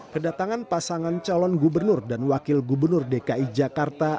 kedatangan pasangan calon gubernur dan wakil gubernur dki jakarta